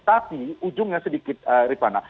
tapi ujungnya sedikit ritwana